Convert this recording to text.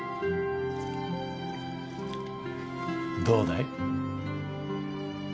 どうだい？